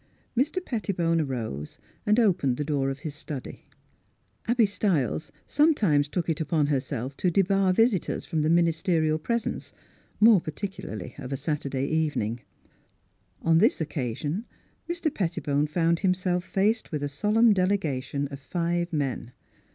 Mr Pettibone arose and opened the door of his study. Abby Stiles sometimes took it upon herself to debar visitors from the ministerial presence, more particularly of a Saturday evening. On this occasion Mr. Pettibone found himself faced with a solemn delegation of five men.